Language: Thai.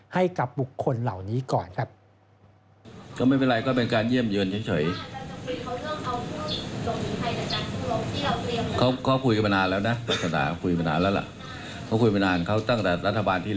ให้กับบุคคลเหล่านี้ก่อนครับ